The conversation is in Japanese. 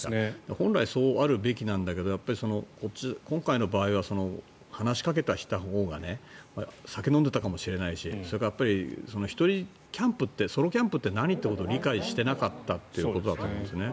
本来、そうあるべきなんだけど今回の場合は話しかけたほうが酒を飲んでいたかもしれないしそれから１人キャンプってソロキャンプって何ってことを理解してなかったってことだと思うんですね。